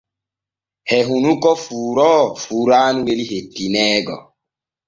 E hunnuko fuuroowo fuuraanu weli hettineego.